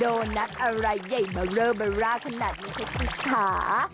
โดนัสอะไรใหญ่เบอร์ขนาดไม่เคยศึกษา